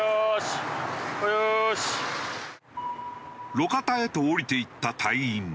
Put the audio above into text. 路肩へと降りていった隊員。